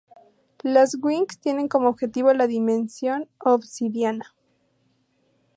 Las Winx tienen como objetivo la Dimensión Obsidiana.